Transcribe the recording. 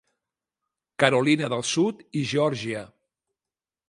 Carolina del Sud i Geòrgia.